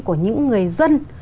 của những người dân